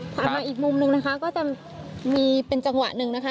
มาอีกมุมหนึ่งนะคะก็จะมีเป็นจังหวะหนึ่งนะคะ